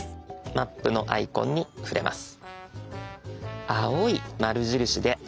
「マップ」のアイコンに触れます。